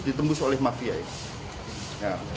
ditembus oleh mafia ini